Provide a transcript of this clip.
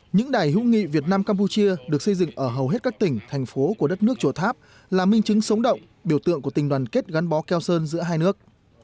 những đài hữu nghị việt nam campuchia được xây dựng ở hầu hết các tỉnh thành phố của đất nước chùa tháp là minh chứng sống động biểu tượng của tình đoàn kết gắn bó keo sơn giữa hai nước